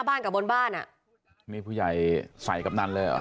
บ้านกับบนบ้านอ่ะมีผู้ใหญ่ใส่กับนั้นเลยเหรอ